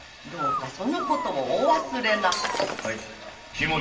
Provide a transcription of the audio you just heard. どうかそのことをお忘れなく。